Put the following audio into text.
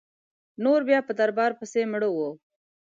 نور بیا په دربار پسي مړه وه.